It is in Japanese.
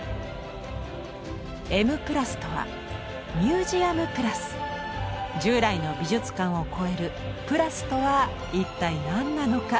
「Ｍ＋」とは従来の美術館を超える「プラス」とは一体何なのか。